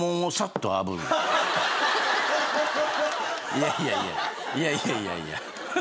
いやいやいやいやいやいやいや。